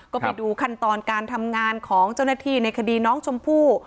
ก็ไปดูขั้นตอนการทำงานของเจ้าหน้าที่ในคดีน้องชมพู่